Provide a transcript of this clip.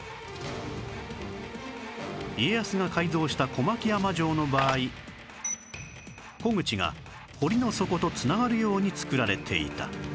家康が改造した小牧山城の場合虎口が堀の底と繋がるように造られていた